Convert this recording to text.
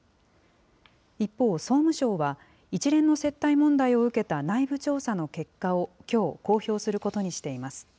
一方、総務省は、一連の接待問題を受けた内部調査の結果をきょう、公表することにしています。